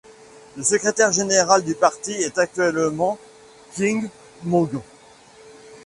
Le secrétaire général du parti est actuellement Kyin Maung.